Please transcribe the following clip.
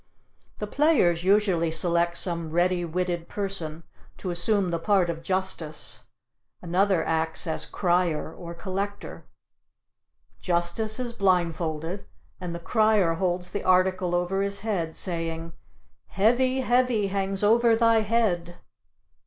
The players usually select some ready witted person to assume the part of Justice, another acts as Crier or Collector. Justice is blindfolded and the Crier holds the article over his head saying: "Heavy, heavy hangs over thy head."